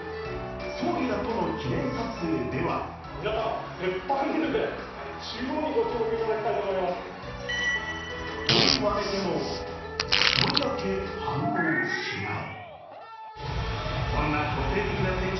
総理らとの記念撮影ではと言われても１人だけ反応しない。